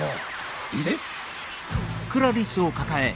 行くぜ！